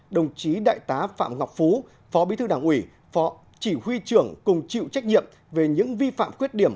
đồng chí đại tá phạm ngọc phú phó bí thư đảng ủy phó chỉ huy trưởng cùng chịu trách nhiệm về những vi phạm khuyết điểm